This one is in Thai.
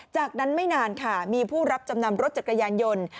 จากนั้นไม่นานค่ะมีผู้รับจำนำรถจักรยานยนต์